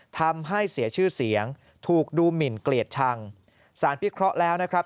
ทำให้เสียชื่อเสียงถูกดูหมินเกลียดชังสารพิเคราะห์แล้วนะครับ